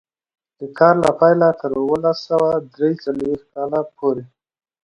د کار له پیله تر اوولس سوه درې څلوېښت کاله پورې.